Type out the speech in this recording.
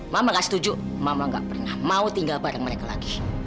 mama gak setuju mama gak pernah mau tinggal bareng mereka lagi